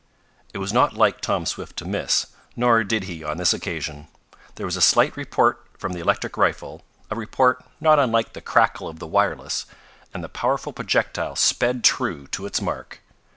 It was not like Tom Swift to miss, nor did he on this occasion. There was a slight report from the electric rifle a report not unlike the crackle of the wireless and the powerful projectile sped true to its mark.